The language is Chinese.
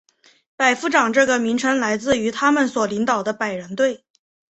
百夫长这个名称来自于他们所领导百人队。